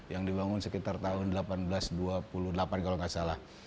yang dibangun sekitar tahun seribu delapan ratus dua puluh delapan kalau nggak salah